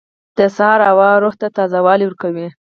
• د سهار هوا روح ته تازه والی ورکوي.